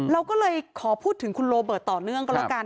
เราก็เลยขอพูดถึงคุณโรเบิร์ตต่อเนื่องก็แล้วกัน